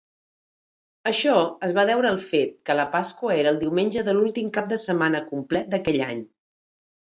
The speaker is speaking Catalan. Això es va deure al fet que la Pasqua era el diumenge de l'últim cap de setmana complet d'aquell any.